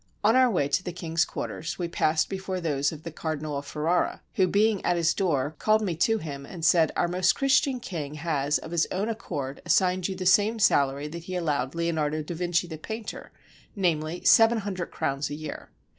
On our way to the king's quarters, we passed before those of the Cardinal of Ferrara, who being at his door called me to him and said, " Our most Christian King has of his own accord assigned you the same salary that he allowed Leonardo da Vinci the painter, namely, seven hundred crowns a year.